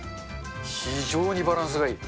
非常にバランスがいい。